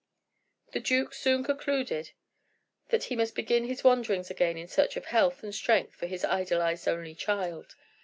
The duke soon concluded that he must begin his wanderings again in search of health and strength for his idolized only child.